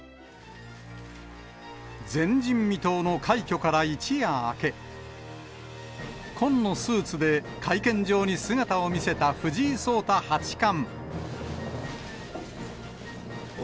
前人未到の快挙から一夜明け、紺のスーツで会見場に姿を見せた藤井聡太八冠。